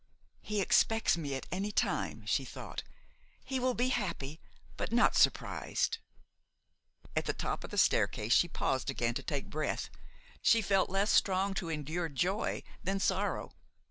"He expects me at any time," she thought; "he will be happy but not surprised." At the top of the staircase she paused again to take breath; she felt less strong to endure joy than sorrow.